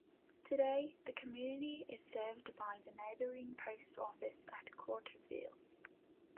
Today, the community is served by the neighboring post office at Carterville.